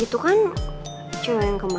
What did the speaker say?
itu kan kecil yang kemarin